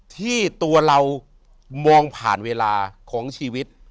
ที่ตัวเรามองผ่านเวลาของชีวิต